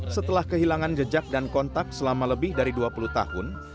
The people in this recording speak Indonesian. setelah kehilangan jejak dan kontak selama lebih dari dua puluh tahun